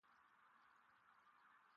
کوم پړانګ نظر یې په هوسۍ هوسۍ وجود پریوته؟